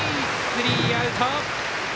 スリーアウト！